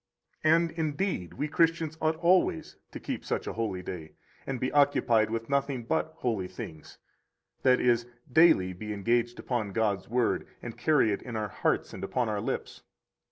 89 And, indeed we Christians ought always to keep such a holy day, and be occupied with nothing but holy things, i.e., daily be engaged upon God's Word, and carry it in our hearts and upon our lips.